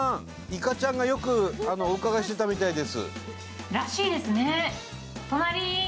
いかちゃんがよくお伺いしてたみたいですらしいですね